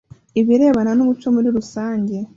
Ibirebana n umuco muri rusange